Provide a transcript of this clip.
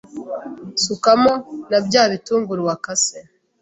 sukamo na bya bitunguru wakase